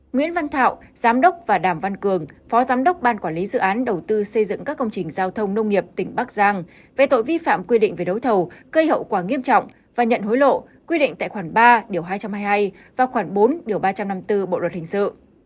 nguyễn văn thảo giám đốc và đàm văn cường phó giám đốc ban quản lý dự án đầu tư xây dựng các công trình giao thông nông nghiệp tỉnh bắc giang về tội vi phạm quy định về đấu thầu gây hậu quả nghiêm trọng và nhận hối lộ quy định tại khoản ba điều hai trăm hai mươi hai và khoảng bốn điều ba trăm năm mươi bốn bộ luật hình sự